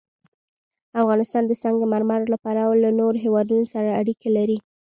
افغانستان د سنگ مرمر له پلوه له نورو هېوادونو سره اړیکې لري.